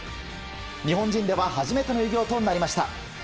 日本人では初めての偉業となりました。